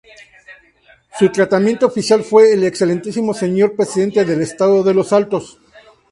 Su tratamiento oficial fue "El Excelentísimo Señor Presidente del Estado de Los Altos".